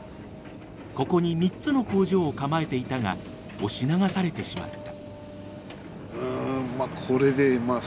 ここに３つの工場を構えていたが押し流されてしまった。